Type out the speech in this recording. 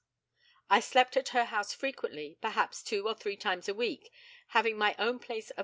I slept at her house frequently, perhaps two or three times a week, having my own place of abode at Rugeley.